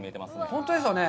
本当ですよね。